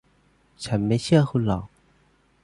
ฉันไม่เชื่อคุณหรอก